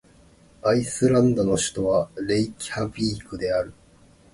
アイスランドの首都はレイキャヴィークである